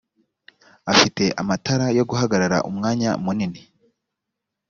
afite amatara yo guhagarara umwanya munini